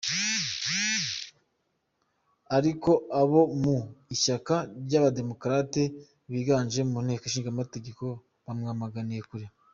Ariko abo mu ishyaka ry'abademokarate, biganje mu nteko ishingamategeko, bamwamaganiye kure.